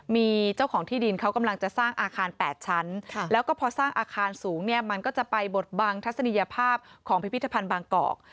มีเจ้าของที่ดินเขากำลังจะสร้างอาคาร๘ชั้นแล้วก็พอสร้างอาคารสูงเนี่ยมันก็จะไปบดบังทัศนียภาพของพิพิธภัณฑ์บางกอก